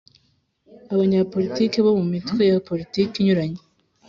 Abanyapolitiki bo mu mitwe ya politiki inyuranye